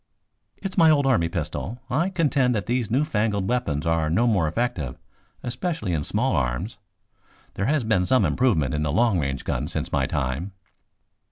"It is my old army pistol. I contend that these new fangled weapons are no more effective, especially in small arms. There has been some improvement in the long range guns since my time."